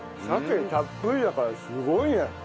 鮭たっぷりだからすごいね。